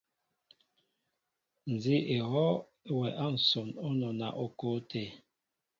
Nzi éhoo wɛ a nson o nɔna o ko té.